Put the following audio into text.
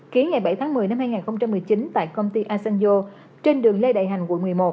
ký ngày bảy tháng một mươi năm hai nghìn một mươi chín tại công ty asanjo trên đường lê đại hành quận một mươi một